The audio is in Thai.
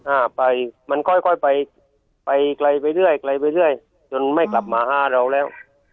อ่าไปมันค่อยค่อยไปไปไกลไปเรื่อยไกลไปเรื่อยจนไม่กลับมาห้าเราแล้ว